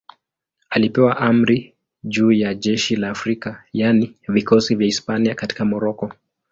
Alipewa amri juu ya jeshi la Afrika, yaani vikosi vya Hispania katika Moroko.